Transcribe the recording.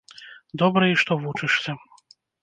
Добра, і што вучышся.